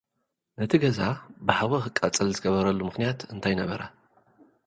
ነቲ ገዛ ብሓዊ ኽቓጸል ዝገበረሉ ምኽንያት እንታይ ነበረ?